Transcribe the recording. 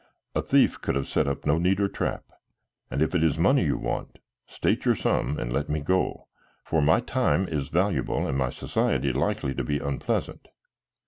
A thief could have set no neater trap, and if it is money you want, state your sum and let me go, for my time is valuable and my society likely to be unpleasant."